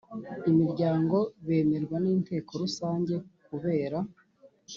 imiryango bemerwa n inteko Rusange kubera